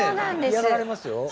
嫌がられますよ。